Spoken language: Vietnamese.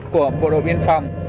của bộ đội biên phòng